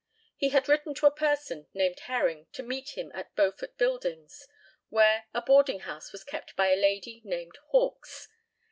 He had written to a person named Herring to meet him at Beaufort buildings, where a boarding house was kept by a lady named Hawks.